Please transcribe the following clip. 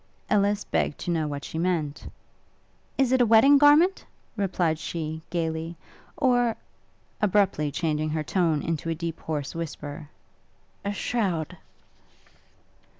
Ellis begged to know what she meant. 'Is it a wedding garment?' replied she, gaily; 'or ...' abruptly changing her tone into a deep hoarse whisper, 'a shroud?'